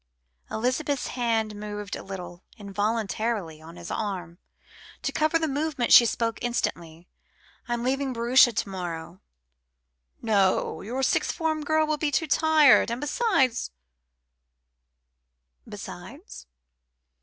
Elizabeth's hand moved a little, involuntarily, on his arm. To cover the movement she spoke instantly. "I am leaving Bruges to morrow." "No; your sixth form girl will be too tired, and besides " "Besides?"